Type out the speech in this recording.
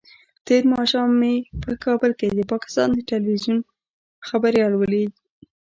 تېر ماښام مې په کابل کې د پاکستان د ټلویزیون خبریال ولید.